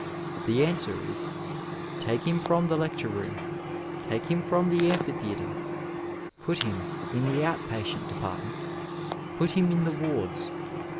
The answer is, take him from the lectore room, take him from the amphitheatre — ^put him in the out patient department — ^put him in the wards.